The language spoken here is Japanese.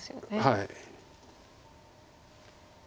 はい。